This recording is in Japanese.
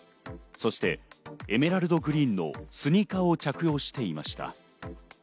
そしてエメラルドグリーンのスニーカーを着用していました。